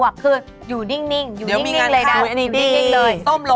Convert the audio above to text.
สวัสดีครับ